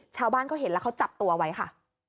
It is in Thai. ชาวบ้านเขาเห็นแล้วเขาจับตัวไว้ค่ะ